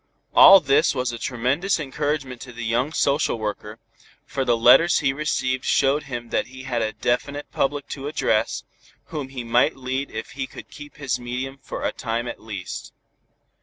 All this was a tremendous encouragement to the young social worker, for the letters he received showed him that he had a definite public to address, whom he might lead if he could keep his medium for a time at least.